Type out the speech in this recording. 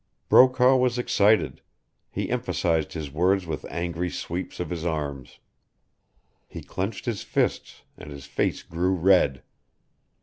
Brokaw was excited. He emphasized his words with angry sweeps of his arms. He clenched his fists, and his face grew red.